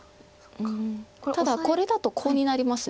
ただこれだとコウになります。